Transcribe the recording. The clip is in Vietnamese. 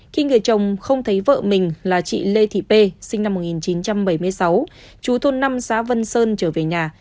khi người chồng không thấy vợ mình là chị lê thị pê sinh năm một nghìn chín trăm bảy mươi sáu chú thôn năm xã vân sơn trở về nhà